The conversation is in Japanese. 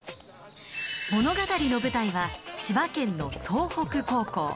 物語の舞台は千葉県の総北高校。